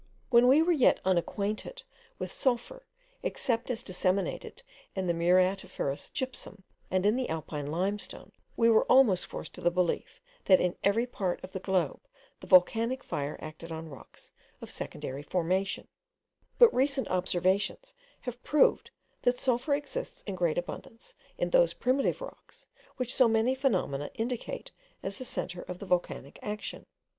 When we were yet unacquainted with sulphur, except as disseminated in the muriatiferous gypsum and in the Alpine limestone, we were almost forced to the belief, that in every part of the globe the volcanic fire acted on rocks of secondary formation; but recent observations have proved that sulphur exists in great abundance in those primitive rocks which so many phenomena indicate as the centre of the volcanic action.